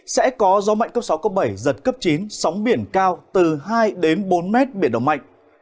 sẽ có gió mạnh cấp sáu cấp bảy giật cấp chín sóng biển cao từ hai đến bốn mét biển động mạnh